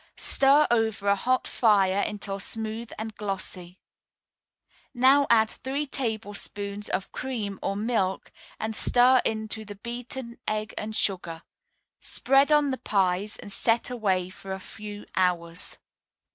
Stir over a hot fire until smooth and glossy. Now add three tablespoonfuls of cream or milk, and stir into the beaten egg and sugar. Spread on the pies and set away for a few hours.